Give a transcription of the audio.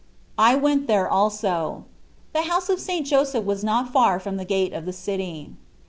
I went there also. The house of St. Joseph was not far from the gate of the city.